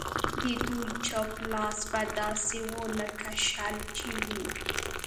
د دوی چپ لاس به داسې و لکه شل چې وي.